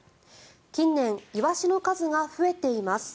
近年、イワシの数が増えています。